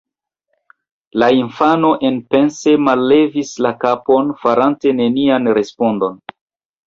La infano enpense mallevis la kapon, farante nenian respondon.